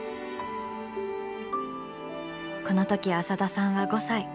このとき浅田さんは５歳。